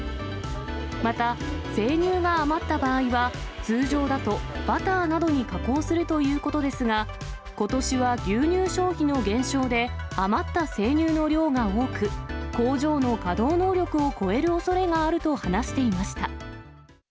また、生乳が余った場合は、通常だと、バターなどに加工するということですが、ことしは牛乳消費の減少で、余った生乳の量が多く、工場の稼働能力を超えるおそれがあると話していました。